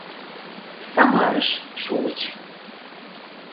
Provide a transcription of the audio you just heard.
Самарыш шуыч.